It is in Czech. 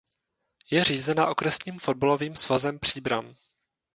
Je řízena Okresním fotbalovým svazem Příbram.